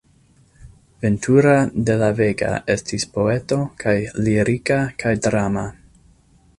Ventura de la Vega estis poeto kaj lirika kaj drama.